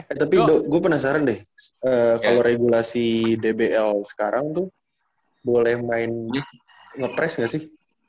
eh tapi gue penasaran deh kalau regulasi dbl sekarang tuh boleh main ngepres gak sih